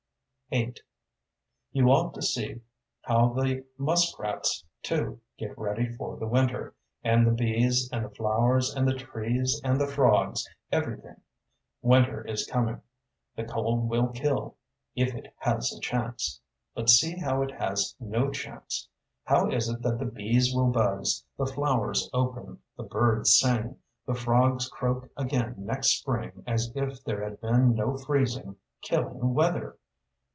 VIII You ought to see how the muskrats, too, get ready for the winter, and the bees and the flowers and the trees and the frogs everything. Winter is coming. The cold will kill if it has a chance. But see how it has no chance. How is it that the bees will buzz, the flowers open, the birds sing, the frogs croak again next spring as if there had been no freezing, killing weather?